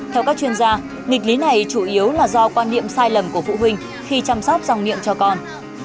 theo các chuyên gia nghịch lý này chủ yếu là do quan niệm sai lầm của phụ huynh khi chăm sóc dòng miệng cho con